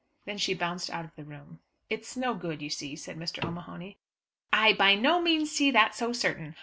Then she bounced out of the room. "It's no good, you see," said Mr. O'Mahony. "I by no means see that so certain.